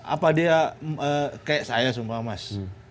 apa dia kayak saya semua mas